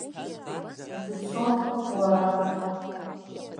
Дцон, уара!